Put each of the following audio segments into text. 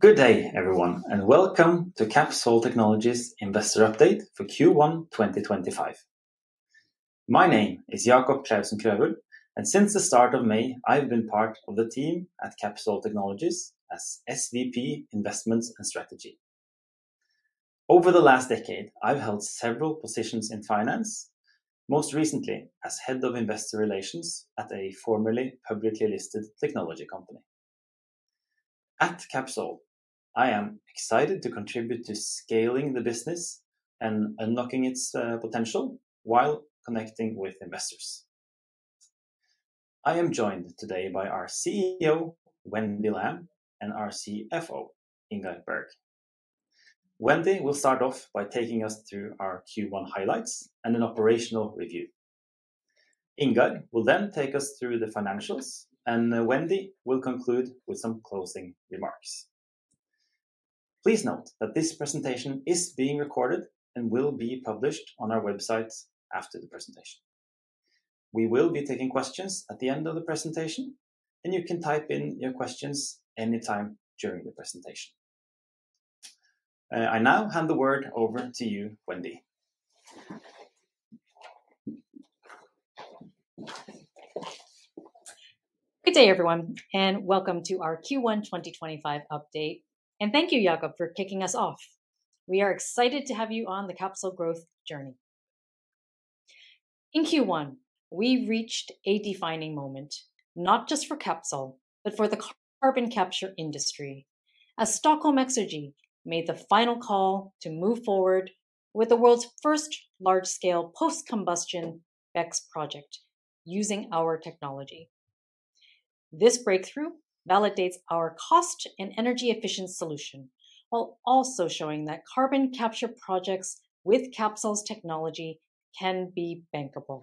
Good day, everyone, and welcome to Capsol Technologies' investor update for Q1 2025. My name is Jacob Clausen Krøvel, and since the start of May, I've been part of the team at Capsol Technologies as SVP, Investments and Strategy. Over the last decade, I've held several positions in finance, most recently as Head of Investor Relations at a formerly publicly listed technology company. At Capsol, I am excited to contribute to scaling the business and unlocking its potential while connecting with investors. I am joined today by our CEO, Wendy Lam, and our CFO, Ingar Bergh. Wendy will start off by taking us through our Q1 highlights and an operational review. Ingar will then take us through the financials, and Wendy will conclude with some closing remarks. Please note that this presentation is being recorded and will be published on our website after the presentation. We will be taking questions at the end of the presentation, and you can type in your questions anytime during the presentation. I now hand the word over to you, Wendy. Good day, everyone, and welcome to our Q1 2025 update. Thank you, Jacob, for kicking us off. We are excited to have you on the Capsol growth journey. In Q1, we reached a defining moment, not just for Capsol, but for the carbon capture industry, as Stockholm Exergi made the final call to move forward with the world's first large-scale post-combustion specs project using our technology. This breakthrough validates our cost and energy efficiency solution, while also showing that carbon capture projects with Capsol's technology can be bankable.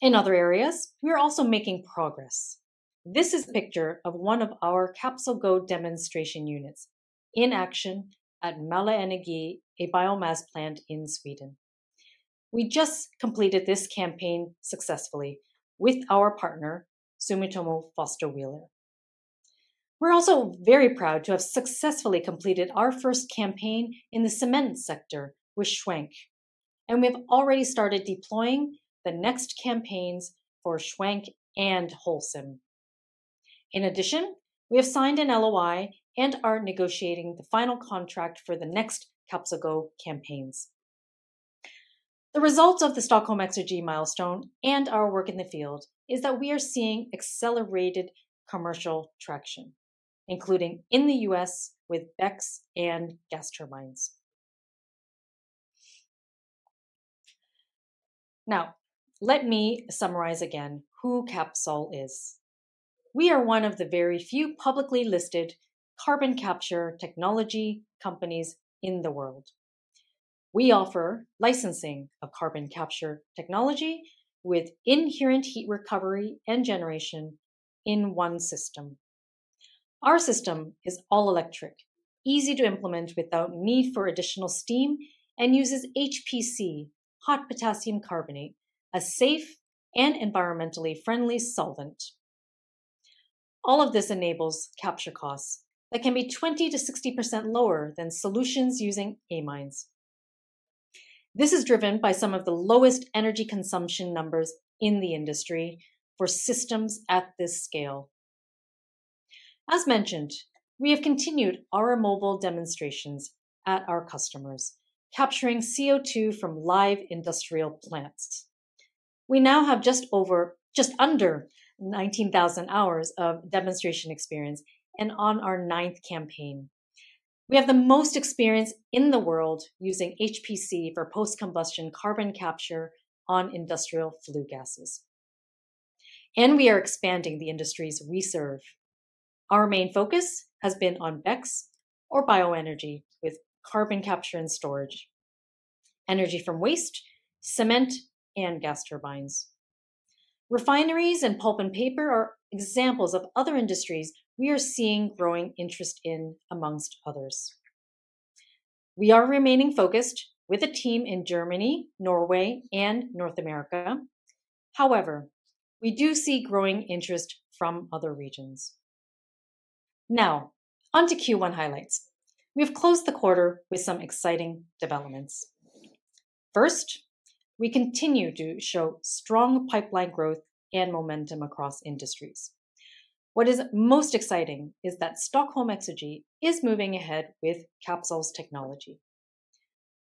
In other areas, we are also making progress. This is a picture of one of our Capsol Go demonstration units in action at Mälarenergi, a biomass plant in Sweden. We just completed this campaign successfully with our partner, Sumitomo Foster Wheeler. We're also very proud to have successfully completed our first campaign in the cement sector with Schwenk, and we have already started deploying the next campaigns for Schwenk and Holcim. In addition, we have signed an LOI and are negotiating the final contract for the next Capsol Go campaigns. The results of the Stockholm Exergi milestone and our work in the field is that we are seeing accelerated commercial traction, including in the US with BECCS and gas turbines. Now, let me summarize again who Capsol is. We are one of the very few publicly listed carbon capture technology companies in the world. We offer licensing of carbon capture technology with inherent heat recovery and generation in one system. Our system is all-electric, easy to implement without need for additional steam, and uses HPC, hot potassium carbonate, a safe and environmentally friendly solvent. All of this enables capture costs that can be 20-60% lower than solutions using amines. This is driven by some of the lowest energy consumption numbers in the industry for systems at this scale. As mentioned, we have continued our mobile demonstrations at our customers, capturing CO2 from live industrial plants. We now have just under 19,000 hours of demonstration experience and on our ninth campaign. We have the most experience in the world using HPC for post-combustion carbon capture on industrial flue gases. We are expanding the industries we serve. Our main focus has been on BECCS or Bioenergy with Carbon Capture and Storage, energy from waste, cement, and gas turbines. Refineries and pulp and paper are examples of other industries we are seeing growing interest in, amongst others. We are remaining focused with a team in Germany, Norway, and North America. However, we do see growing interest from other regions. Now, on to Q1 highlights. We have closed the quarter with some exciting developments. First, we continue to show strong pipeline growth and momentum across industries. What is most exciting is that Stockholm Exergi is moving ahead with Capsol's technology.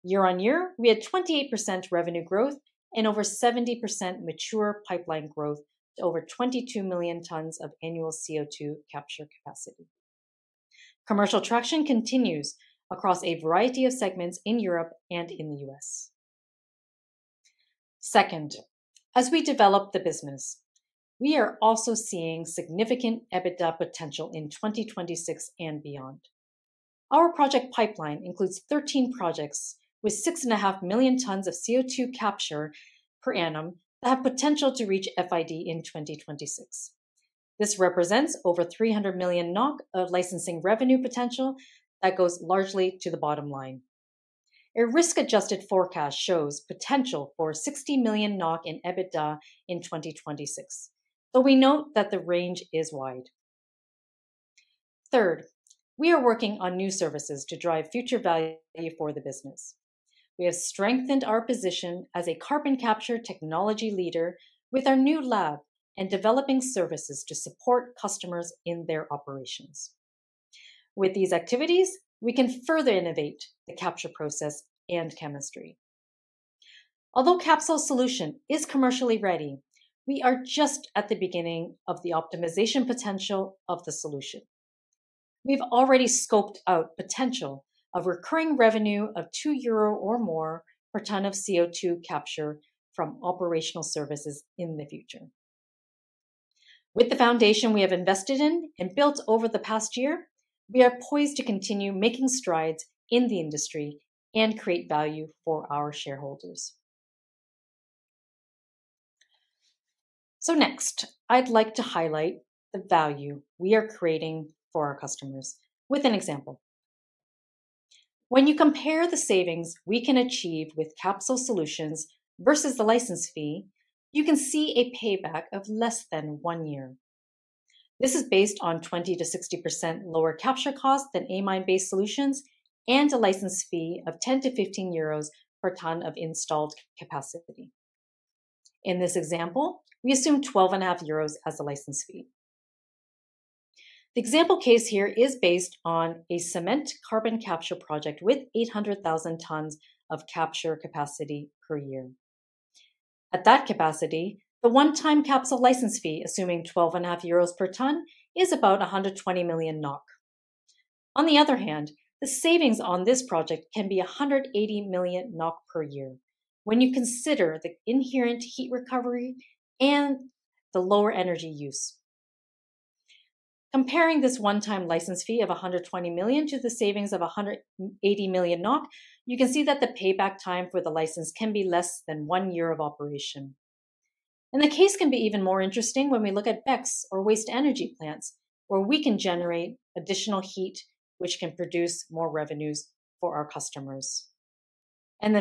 Year-on-year, we had 28% revenue growth and over 70% mature pipeline growth to over 22 million tons of annual CO2 capture capacity. Commercial traction continues across a variety of segments in Europe and in the US. Second, as we develop the business, we are also seeing significant EBITDA potential in 2026 and beyond. Our project pipeline includes 13 projects with 6.5 million tons of CO2 capture per annum that have potential to reach FID in 2026. This represents over 300 million NOK of licensing revenue potential that goes largely to the bottom line. A risk-adjusted forecast shows potential for 60 million NOK in EBITDA in 2026, though we note that the range is wide. Third, we are working on new services to drive future value for the business. We have strengthened our position as a carbon capture technology leader with our new lab and developing services to support customers in their operations. With these activities, we can further innovate the capture process and chemistry. Although Capsol's solution is commercially ready, we are just at the beginning of the optimization potential of the solution. We've already scoped out potential of recurring revenue of 2 euro or more per ton of CO2 capture from operational services in the future. With the foundation we have invested in and built over the past year, we are poised to continue making strides in the industry and create value for our shareholders. Next, I'd like to highlight the value we are creating for our customers with an example. When you compare the savings we can achieve with Capsol solutions versus the license fee, you can see a payback of less than one year. This is based on 20-60% lower capture cost than amine-based solutions and a license fee of 10-15 euros per ton of installed capacity. In this example, we assume 12.5 euros as the license fee. The example case here is based on a cement carbon capture project with 800,000 tons of capture capacity per year. At that capacity, the one-time Capsol license fee, assuming 12.5 euros per ton, is about 120 million NOK. On the other hand, the savings on this project can be 180 million NOK per year when you consider the inherent heat recovery and the lower energy use. Comparing this one-time license fee of 120 million to the savings of 180 million NOK, you can see that the payback time for the license can be less than one year of operation. The case can be even more interesting when we look at BECCS or energy from waste plants, where we can generate additional heat, which can produce more revenues for our customers.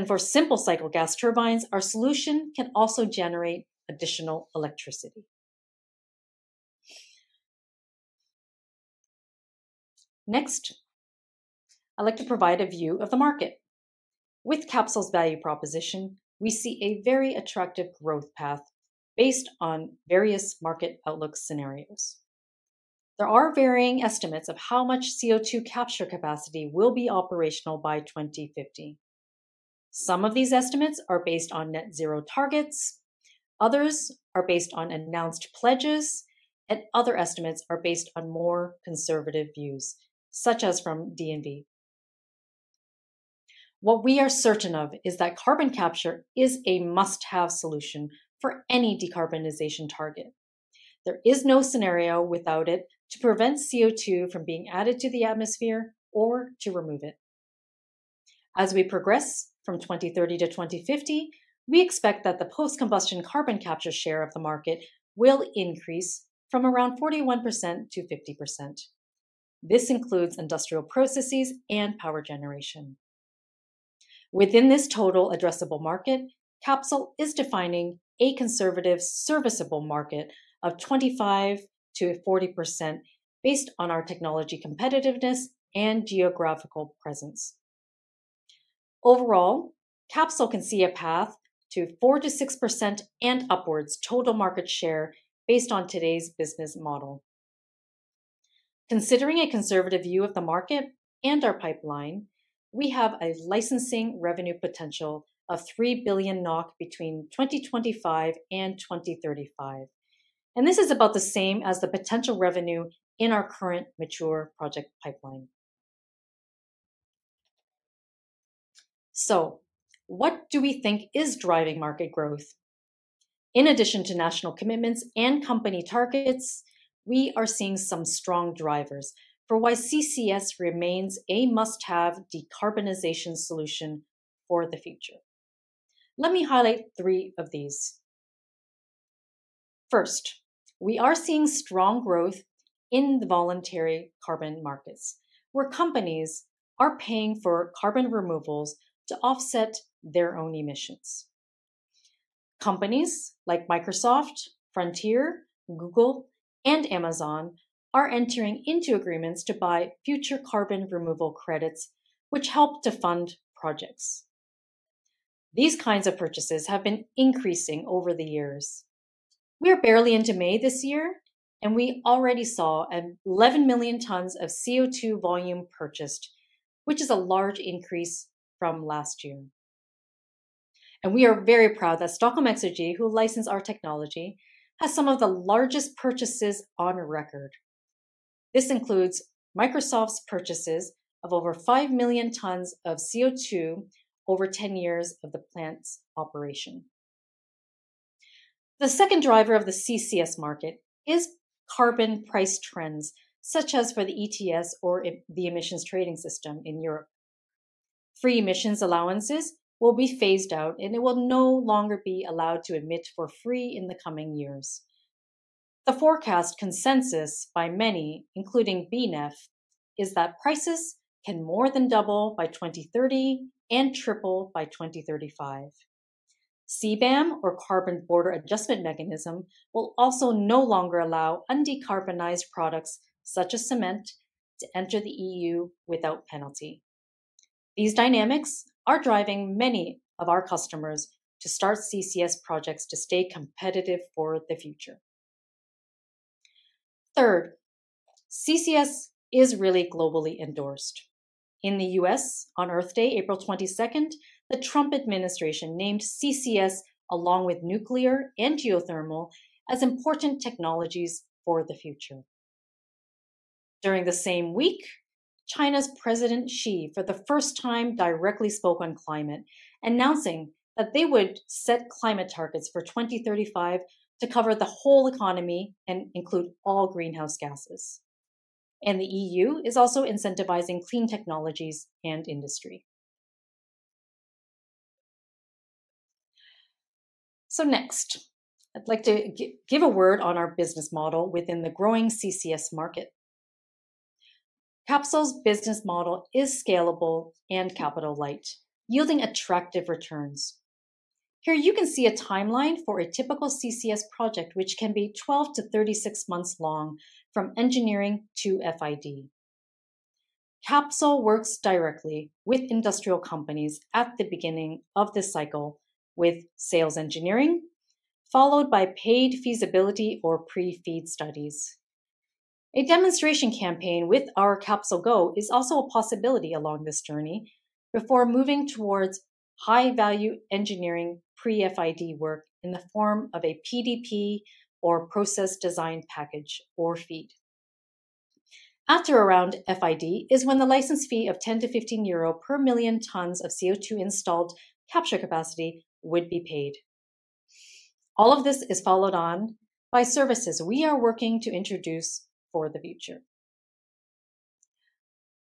For simple cycle gas turbines, our solution can also generate additional electricity. Next, I'd like to provide a view of the market. With Capsol's value proposition, we see a very attractive growth path based on various market outlook scenarios. There are varying estimates of how much CO2 capture capacity will be operational by 2050. Some of these estimates are based on net zero targets, others are based on announced pledges, and other estimates are based on more conservative views, such as from DNV. What we are certain of is that carbon capture is a must-have solution for any decarbonization target. There is no scenario without it to prevent CO2 from being added to the atmosphere or to remove it. As we progress from 2030 to 2050, we expect that the post-combustion carbon capture share of the market will increase from around 41% to 50%. This includes industrial processes and power generation. Within this total addressable market, Capsol is defining a conservative serviceable market of 25%-40% based on our technology competitiveness and geographical presence. Overall, Capsol can see a path to 4%-6% and upwards total market share based on today's business model. Considering a conservative view of the market and our pipeline, we have a licensing revenue potential of 3 billion NOK between 2025 and 2035. This is about the same as the potential revenue in our current mature project pipeline. What do we think is driving market growth? In addition to national commitments and company targets, we are seeing some strong drivers for why CCS remains a must-have decarbonization solution for the future. Let me highlight three of these. First, we are seeing strong growth in the voluntary carbon markets, where companies are paying for carbon removals to offset their own emissions. Companies like Microsoft, Frontier, Google, and Amazon are entering into agreements to buy future carbon removal credits, which help to fund projects. These kinds of purchases have been increasing over the years. We are barely into May this year, and we already saw 11 million tons of CO2 volume purchased, which is a large increase from last year. We are very proud that Stockholm Exergi, who licensed our technology, has some of the largest purchases on record. This includes Microsoft's purchases of over 5 million tons of CO2 over 10 years of the plant's operation. The second driver of the CCS market is carbon price trends, such as for the ETS or the Emissions Trading System in Europe. Free emissions allowances will be phased out, and it will no longer be allowed to emit for free in the coming years. The forecast consensus by many, including BNEF, is that prices can more than double by 2030 and triple by 2035. CBAM, or Carbon Border Adjustment Mechanism, will also no longer allow undecarbonized products such as cement to enter the EU without penalty. These dynamics are driving many of our customers to start CCS projects to stay competitive for the future. Third, CCS is really globally endorsed. In the US, on Earth Day, April 22nd, the Trump administration named CCS, along with nuclear and geothermal, as important technologies for the future. During the same week, China's President Xi, for the first time, directly spoke on climate, announcing that they would set climate targets for 2035 to cover the whole economy and include all greenhouse gases. The EU is also incentivizing clean technologies and industry. Next, I'd like to give a word on our business model within the growing CCS market. Capsol's business model is scalable and capital-light, yielding attractive returns. Here you can see a timeline for a typical CCS project, which can be 12-36 months long from engineering to FID. Capsol works directly with industrial companies at the beginning of the cycle with sales engineering, followed by paid feasibility or pre-FEED studies. A demonstration campaign with our CapsolGo is also a possibility along this journey before moving towards high-value engineering pre-FID work in the form of a PDP or process design package or FEED. After around FID is when the license fee of 10-15 euro per million tons of CO2 installed capture capacity would be paid. All of this is followed on by services we are working to introduce for the future.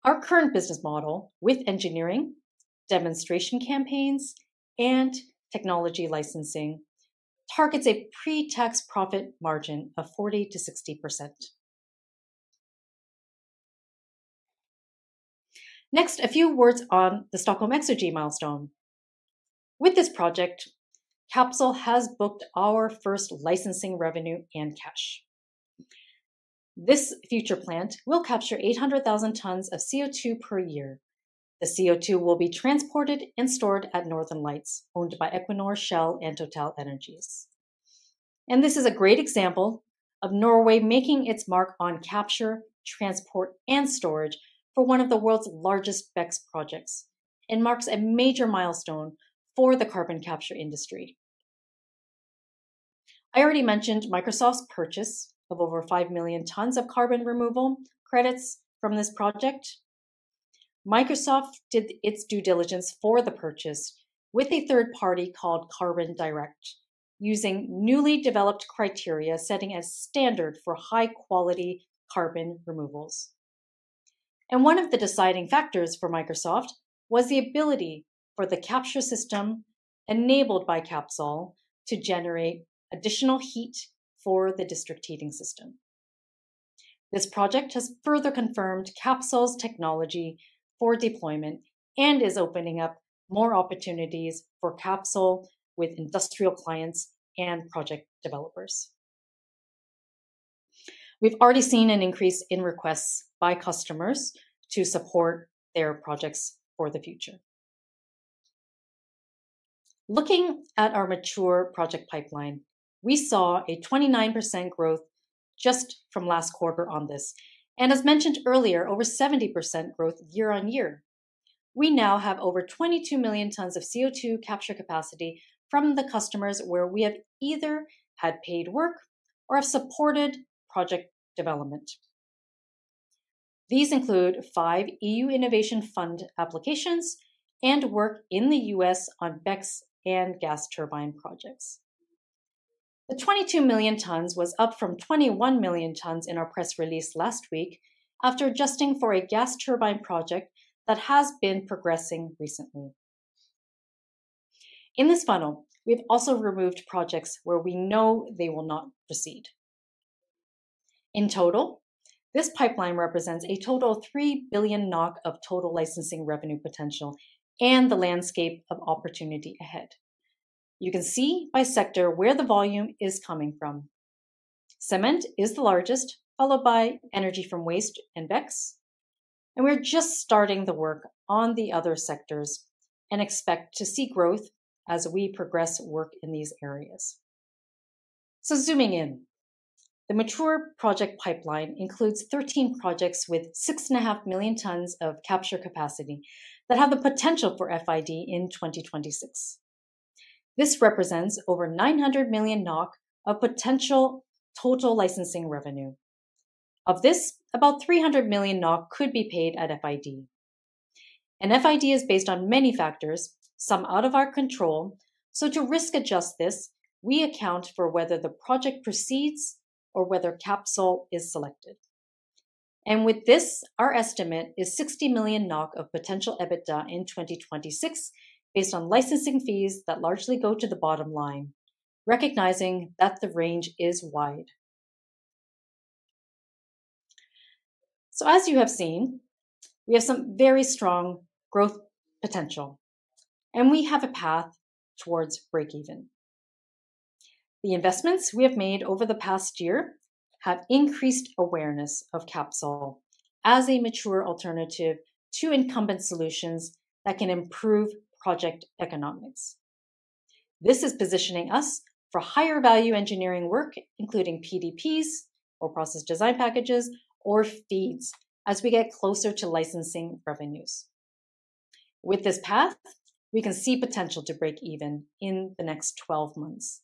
Our current business model with engineering, demonstration campaigns, and technology licensing targets a pre-tax profit margin of 40%-60%. Next, a few words on the Stockholm Exergi milestone. With this project, Capsol has booked our first licensing revenue and cash. This future plant will capture 800,000 tons of CO2 per year. The CO2 will be transported and stored at Northern Lights, owned by Equinor, Shell, and TotalEnergies. This is a great example of Norway making its mark on capture, transport, and storage for one of the world's largest BECCS projects and marks a major milestone for the carbon capture industry. I already mentioned Microsoft's purchase of over 5 million tons of carbon removal credits from this project. Microsoft did its due diligence for the purchase with a third party called CarbonDirect, using newly developed criteria setting a standard for high-quality carbon removals. One of the deciding factors for Microsoft was the ability for the capture system enabled by Capsol to generate additional heat for the district heating system. This project has further confirmed Capsol's technology for deployment and is opening up more opportunities for Capsol with industrial clients and project developers. We have already seen an increase in requests by customers to support their projects for the future. Looking at our mature project pipeline, we saw a 29% growth just from last quarter on this. As mentioned earlier, over 70% growth year-on-year. We now have over 22 million tons of CO2 capture capacity from the customers where we have either had paid work or have supported project development. These include five EU Innovation Fund applications and work in the US on BECCS and gas turbine projects. The 22 million tons was up from 21 million tons in our press release last week after adjusting for a gas turbine project that has been progressing recently. In this funnel, we have also removed projects where we know they will not proceed. In total, this pipeline represents a total of 3 billion NOK of total licensing revenue potential and the landscape of opportunity ahead. You can see by sector where the volume is coming from. Cement is the largest, followed by energy from waste and BECCS. We're just starting the work on the other sectors and expect to see growth as we progress work in these areas. Zooming in, the mature project pipeline includes 13 projects with 6.5 million tons of capture capacity that have the potential for FID in 2026. This represents over 900 million NOK of potential total licensing revenue. Of this, about 300 million NOK could be paid at FID. FID is based on many factors, some out of our control. To risk adjust this, we account for whether the project proceeds or whether Capsol is selected. With this, our estimate is 60 million NOK of potential EBITDA in 2026 based on licensing fees that largely go to the bottom line, recognizing that the range is wide. As you have seen, we have some very strong growth potential, and we have a path towards breakeven. The investments we have made over the past year have increased awareness of Capsol as a mature alternative to incumbent solutions that can improve project economics. This is positioning us for higher value engineering work, including PDPs or process design packages or feeds as we get closer to licensing revenues. With this path, we can see potential to break even in the next 12 months.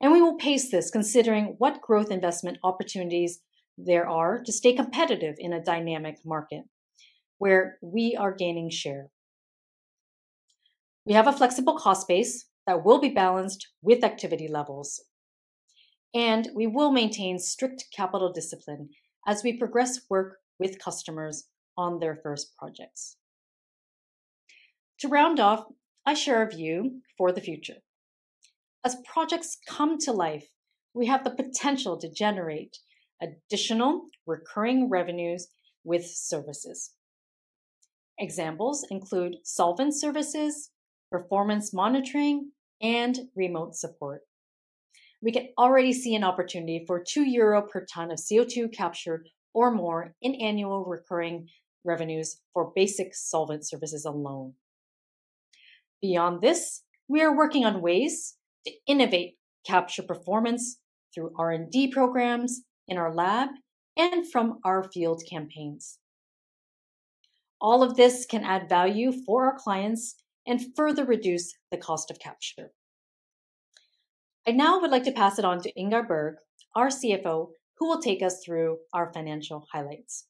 We will pace this considering what growth investment opportunities there are to stay competitive in a dynamic market where we are gaining share. We have a flexible cost base that will be balanced with activity levels, and we will maintain strict capital discipline as we progress work with customers on their first projects. To round off, I share a view for the future. As projects come to life, we have the potential to generate additional recurring revenues with services. Examples include solvent services, performance monitoring, and remote support. We can already see an opportunity for 2 euro per ton of CO2 capture or more in annual recurring revenues for basic solvent services alone. Beyond this, we are working on ways to innovate capture performance through R&D programs in our lab and from our field campaigns. All of this can add value for our clients and further reduce the cost of capture. I now would like to pass it on to Ingar Bergh, our CFO, who will take us through our financial highlights.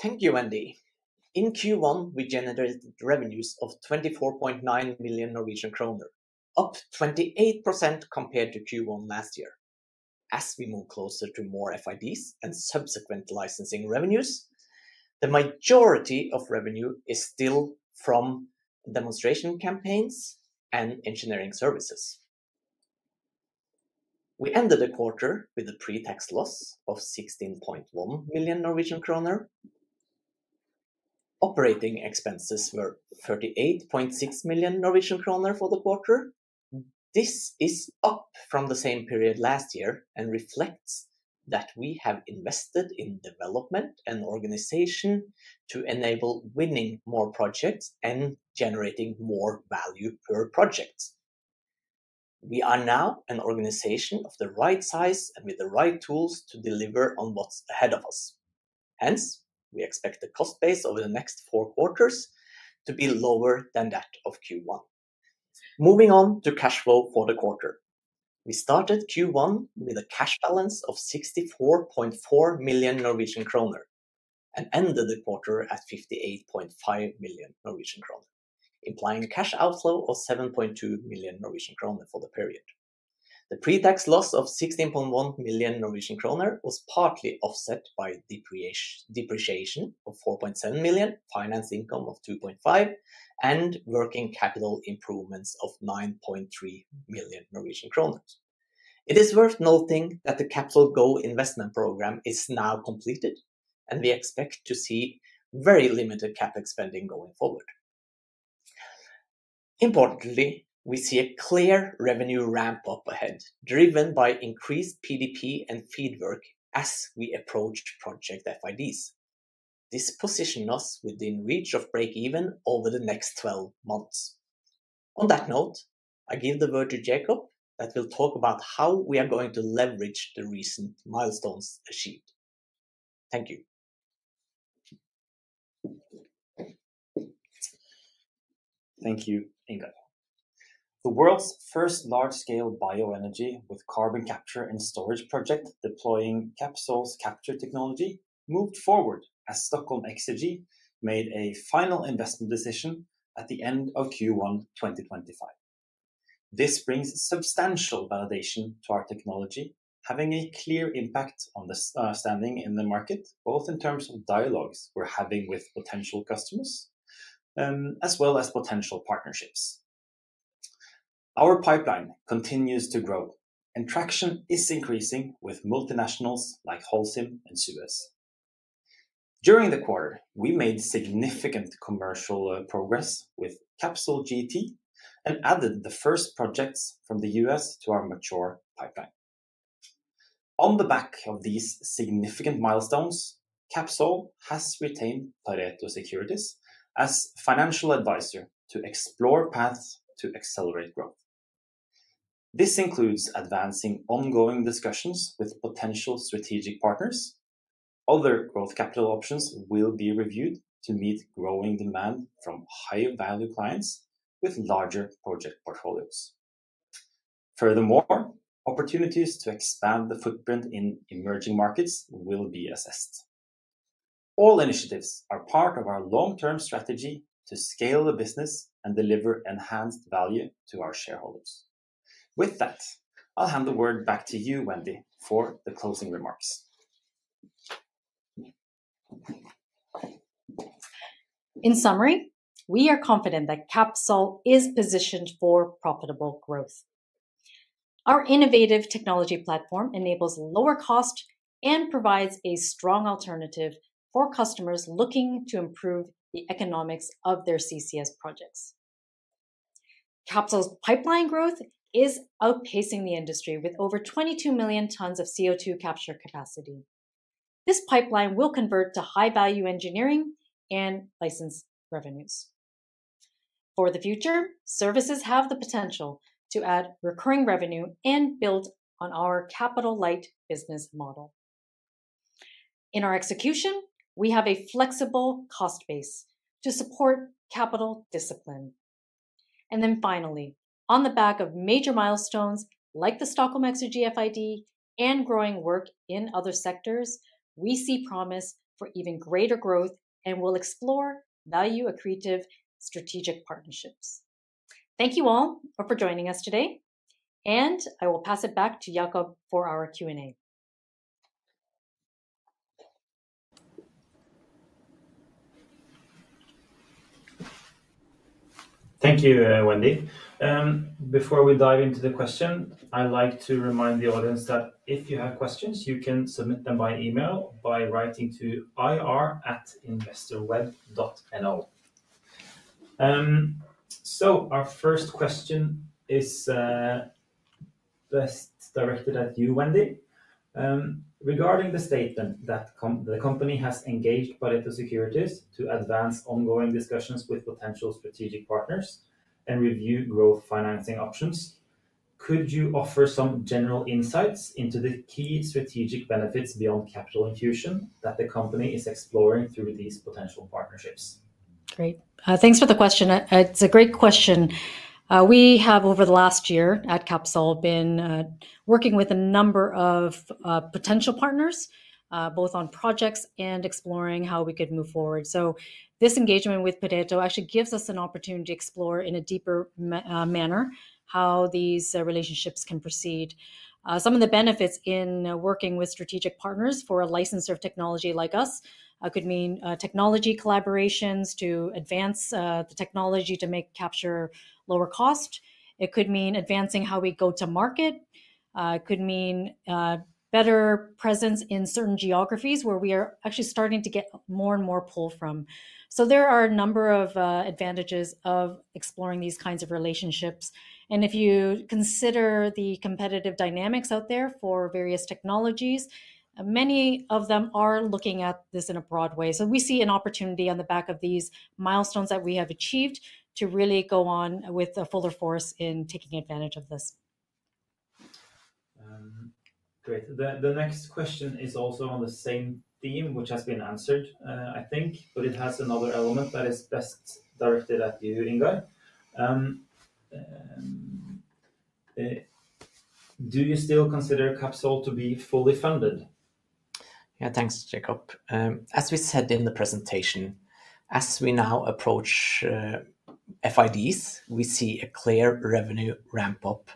Thank you, Wendy. In Q1, we generated revenues of 24.9 million Norwegian kroner, up 28% compared to Q1 last year. As we move closer to more FIDs and subsequent licensing revenues, the majority of revenue is still from demonstration campaigns and engineering services. We ended the quarter with a pre-tax loss of 16.1 million Norwegian kroner. Operating expenses were 38.6 million Norwegian kroner for the quarter. This is up from the same period last year and reflects that we have invested in development and organization to enable winning more projects and generating more value per project. We are now an organization of the right size and with the right tools to deliver on what's ahead of us. Hence, we expect the cost base over the next four quarters to be lower than that of Q1. Moving on to cash flow for the quarter. We started Q1 with a cash balance of 64.4 million Norwegian kroner and ended the quarter at 58.5 million Norwegian kroner, implying a cash outflow of 7.2 million Norwegian kroner for the period. The pre-tax loss of 16.1 million Norwegian kroner was partly offset by depreciation of 4.7 million, finance income of 2.5 million, and working capital improvements of 9.3 million Norwegian kroner. It is worth noting that the CapsolGo investment program is now completed, and we expect to see very limited CapEx spending going forward. Importantly, we see a clear revenue ramp up ahead, driven by increased PDP and FEED work as we approached project FIDs. This positioned us within reach of breakeven over the next 12 months. On that note, I give the word to Jacob that will talk about how we are going to leverage the recent milestones achieved. Thank you. Thank you, Ingar. The world's first large-scale bioenergy with carbon capture and storage project deploying Capsol's capture technology moved forward as Stockholm Exergi made a final investment decision at the end of Q1 2025. This brings substantial validation to our technology, having a clear impact on the standing in the market, both in terms of dialogues we're having with potential customers as well as potential partnerships. Our pipeline continues to grow, and traction is increasing with multinationals like Holcim and SUEZ. During the quarter, we made significant commercial progress with CapsolGT and added the first projects from the US to our mature pipeline. On the back of these significant milestones, Capsol has retained Pareto Securities as financial advisor to explore paths to accelerate growth. This includes advancing ongoing discussions with potential strategic partners. Other growth capital options will be reviewed to meet growing demand from high-value clients with larger project portfolios. Furthermore, opportunities to expand the footprint in emerging markets will be assessed. All initiatives are part of our long-term strategy to scale the business and deliver enhanced value to our shareholders. With that, I'll hand the word back to you, Wendy, for the closing remarks. In summary, we are confident that Capsol is positioned for profitable growth. Our innovative technology platform enables lower cost and provides a strong alternative for customers looking to improve the economics of their CCS projects. Capsol's pipeline growth is outpacing the industry with over 22 million tons of CO2 capture capacity. This pipeline will convert to high-value engineering and license revenues. For the future, services have the potential to add recurring revenue and build on our Capital Light business model. In our execution, we have a flexible cost base to support capital discipline. Finally, on the back of major milestones like the Stockholm Exergi FID and growing work in other sectors, we see promise for even greater growth and will explore value-accretive strategic partnerships. Thank you all for joining us today, and I will pass it back to Jacob for our Q&A. Thank you, Wendy. Before we dive into the question, I'd like to remind the audience that if you have questions, you can submit them by email by writing to ir@investorweb.no. Our first question is best directed at you, Wendy. Regarding the statement that the company has engaged Pareto Securities to advance ongoing discussions with potential strategic partners and review growth financing options, could you offer some general insights into the key strategic benefits beyond capital infusion that the company is exploring through these potential partnerships? Great. Thanks for the question. It's a great question. We have, over the last year at Capsol, been working with a number of potential partners both on projects and exploring how we could move forward. This engagement with Pareto actually gives us an opportunity to explore in a deeper manner how these relationships can proceed. Some of the benefits in working with strategic partners for a licensor of technology like us could mean technology collaborations to advance the technology to make capture lower cost. It could mean advancing how we go to market. It could mean better presence in certain geographies where we are actually starting to get more and more pull from. There are a number of advantages of exploring these kinds of relationships. If you consider the competitive dynamics out there for various technologies, many of them are looking at this in a broad way. We see an opportunity on the back of these milestones that we have achieved to really go on with a fuller force in taking advantage of this. Great. The next question is also on the same theme, which has been answered, I think, but it has another element that is best directed at you, Ingar. Do you still consider Capsol to be fully funded? Yeah, thanks, Jacob. As we said in the presentation, as we now approach FIDs, we see a clear revenue ramp up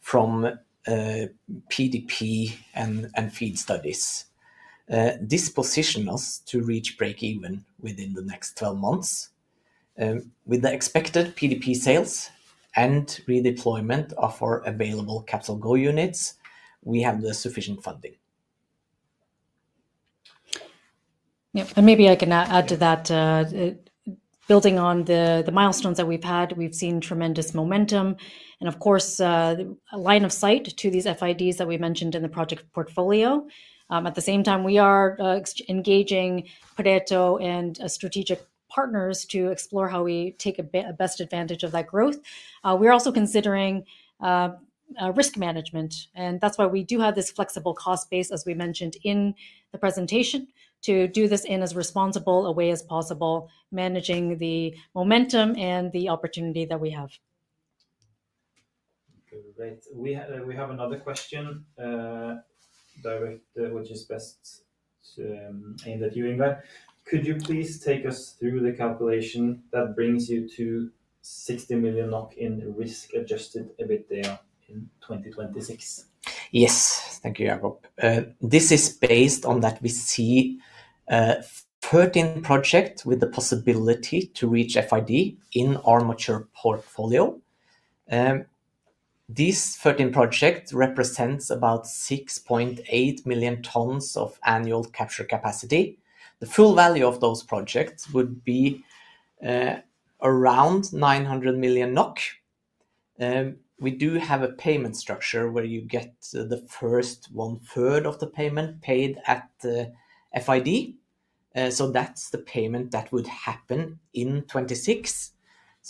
from PDP and FEED studies. This positions us to reach breakeven within the next 12 months. With the expected PDP sales and redeployment of our available CapsolGo units, we have the sufficient funding. Yep. Maybe I can add to that. Building on the milestones that we've had, we've seen tremendous momentum. Of course, a line of sight to these FIDs that we mentioned in the project portfolio. At the same time, we are engaging Pareto and strategic partners to explore how we take best advantage of that growth. We are also considering risk management, and that is why we do have this flexible cost base, as we mentioned in the presentation, to do this in as responsible a way as possible, managing the momentum and the opportunity that we have. Great. We have another question, which is best to aim at you, Ingar. Could you please take us through the calculation that brings you to 60 million NOK in risk-adjusted EBITDA in 2026? Yes. Thank you, Jacob. This is based on that we see 13 projects with the possibility to reach FID in our mature portfolio. These 13 projects represent about 6.8 million tons of annual capture capacity. The full value of those projects would be around 900 million NOK. We do have a payment structure where you get the first one-third of the payment paid at FID. That is the payment that would happen in 2026.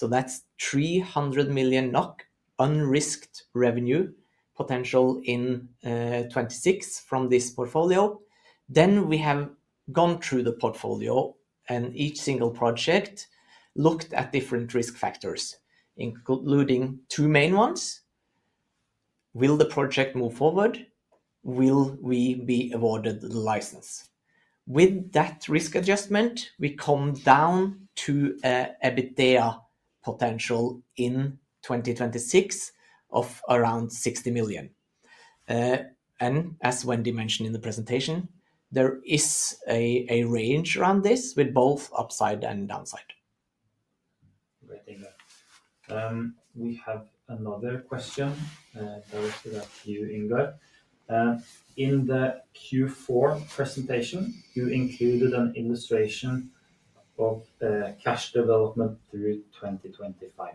That is NOK 300 million unrisked revenue potential in 2026 from this portfolio. We have gone through the portfolio and each single project, looked at different risk factors, including two main ones. Will the project move forward? Will we be awarded the license? With that risk adjustment, we come down to an EBITDA potential in 2026 of around 60 million. As Wendy mentioned in the presentation, there is a range around this with both upside and downside. Great, Ingar. We have another question directed at you, Ingar. In the Q4 presentation, you included an illustration of cash development through 2025.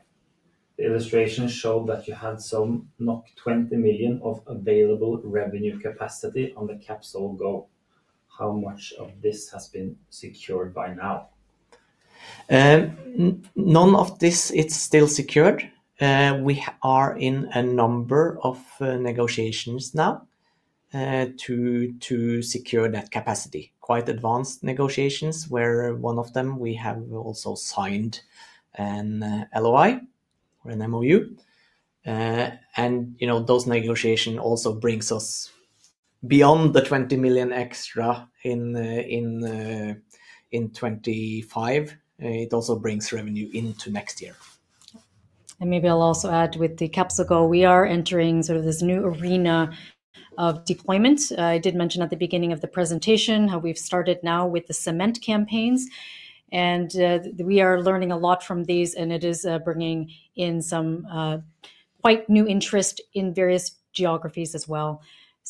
The illustration showed that you had some 20 million of available revenue capacity on the CapsolGo. How much of this has been secured by now? None of this is still secured. We are in a number of negotiations now to secure that capacity. Quite advanced negotiations where one of them we have also signed an LOI or an MOU. Those negotiations also bring us beyond the 20 million extra in 2025. It also brings revenue into next year. Maybe I'll also add with the CapsolGo, we are entering sort of this new arena of deployment. I did mention at the beginning of the presentation how we've started now with the cement campaigns. We are learning a lot from these, and it is bringing in some quite new interest in various geographies as well.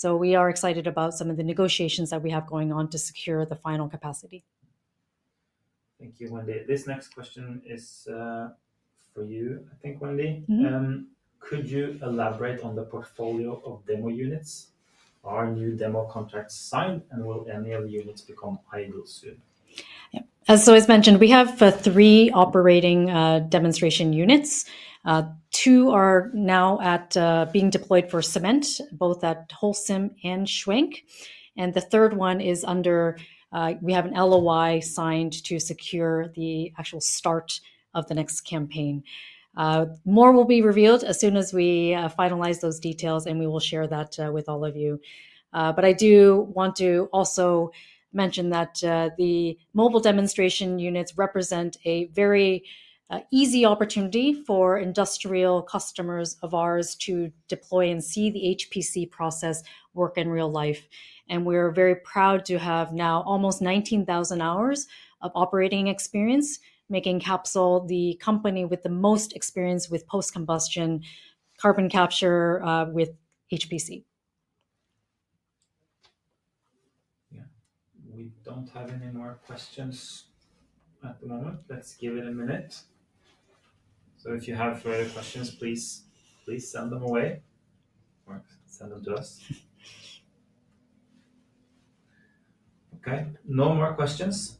We are excited about some of the negotiations that we have going on to secure the final capacity. Thank you, Wendy. This next question is for you, I think, Wendy. Could you elaborate on the portfolio of demo units? Are new demo contracts signed, and will any of the units become idle soon? As always mentioned, we have three operating demonstration units. Two are now being deployed for cement, both at Holcim and Schwenk. The third one is under, we have an LOI signed to secure the actual start of the next campaign. More will be revealed as soon as we finalize those details, and we will share that with all of you. I do want to also mention that the mobile demonstration units represent a very easy opportunity for industrial customers of ours to deploy and see the HPC process work in real life. We are very proud to have now almost 19,000 hours of operating experience, making Capsol the company with the most experience with post-combustion carbon capture with HPC. Yeah. We do not have any more questions at the moment. Let's give it a minute. If you have further questions, please send them away or send them to us. No more questions.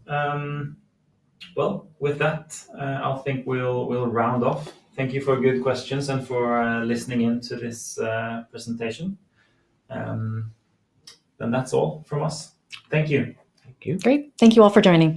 I think we will round off. Thank you for good questions and for listening in to this presentation. That is all from us. Thank you. Thank you. Great. Thank you all for joining us.